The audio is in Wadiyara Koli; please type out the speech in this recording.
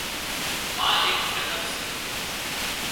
ما ايڪ جنت سي